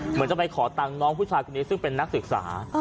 เหมือนจะไปขอตังค์น้องผู้ชายคนนี้ซึ่งเป็นนักศึกษา